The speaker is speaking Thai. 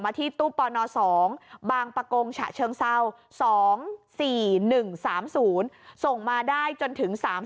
ที่ตู้ปน๒บางประกงฉะเชิงเศร้า๒๔๑๓๐ส่งมาได้จนถึง๓๐